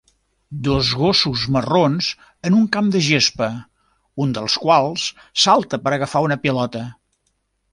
Dos gossos marrons en un camp de gespa, un dels quals salta per agafar una pilota.